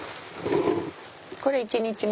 これ１日目。